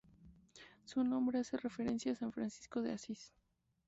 Su nombre hace referencia a San Francisco de Asís.